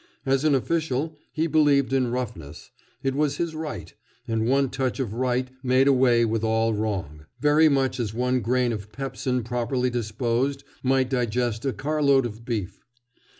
As an official, he believed in roughness; it was his right; and one touch of right made away with all wrong, very much as one grain of pepsin properly disposed might digest a carload of beef.